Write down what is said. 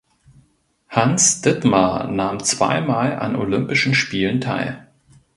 Hans Dittmar nahm zweimal an Olympischen Spielen teil.